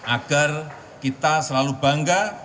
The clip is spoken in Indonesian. agar kita selalu bangga